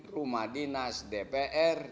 rumah dinas dpr